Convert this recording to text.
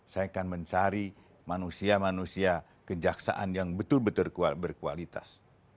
saya akan mencari manusia manusia kejaksaan yang betul betul berkualitas